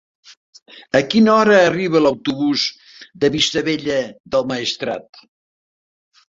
A quina hora arriba l'autobús de Vistabella del Maestrat?